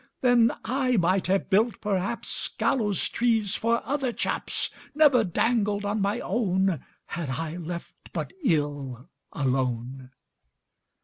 "Then I might have built perhaps Gallows trees for other chaps, Never dangled on my own, Had I but left ill alone."